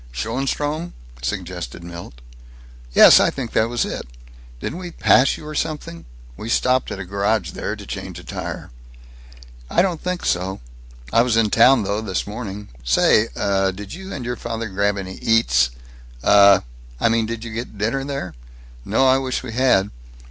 "Schoenstrom?" suggested Milt. "Yes, I think that was it. Didn't we pass you or something? We stopped at a garage there, to change a tire." "I don't think so. I was in town, though, this morning. Say, uh, did you and your father grab any eats " "A " "I mean, did you get dinner there?" "No. I wish we had!"